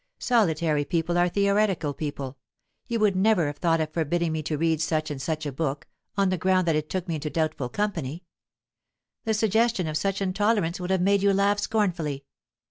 Solitary people are theoretical people. You would never have thought of forbidding me to read such and such a book, on the ground that it took me into doubtful company; the suggestion of such intolerance would have made you laugh scornfully.